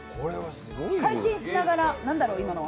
回転しながら、何だろ、今の。